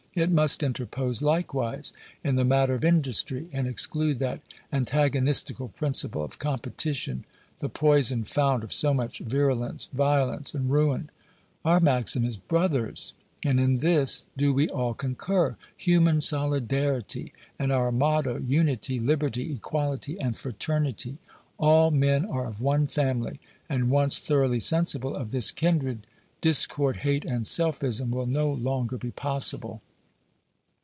It must interpose likewise in the matter of industry, and exclude that antagonistical principle of competition the poisoned fount of so much virulence, violence and ruin. Our maxim is, brothers, and in this do we all concur, 'Human Solidarity,' and our motto, 'Unity, Liberty, Equality and Fraternity.' All men are of one family, and once thoroughly sensible of this kindred, discord, hate and selfism will no longer be possible."